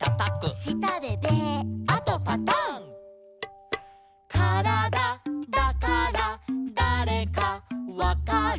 「したでベー」「あとパタン」「からだだからだれかわかる」